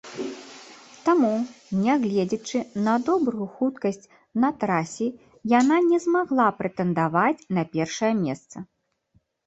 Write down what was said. Таму, нягледзячы на добрую хуткасць на трасе, яна не змагла прэтэндаваць на першае месца.